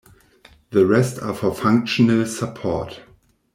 The rest are for functional support.